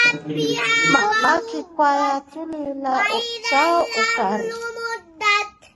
Mama kikwaya tuliliya chao ukari.